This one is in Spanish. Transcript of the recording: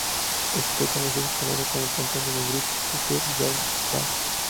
Scott comenzó su carrera como cantante en la Bridge Church Youth Band.